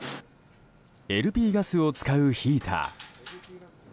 ＬＰガスを使うヒーター。